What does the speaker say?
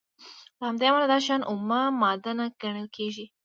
له همدې امله دا شیان اومه ماده نه ګڼل کیږي.